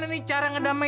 oh siapa lagi